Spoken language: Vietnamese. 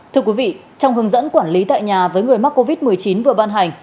thưa quý vị trong hướng dẫn quản lý tại nhà với người mắc covid một mươi chín vừa ban hành